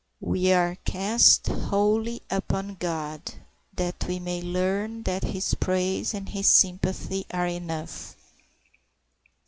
We are cast wholly upon God, that we may learn that his praise and his sympathy are enough.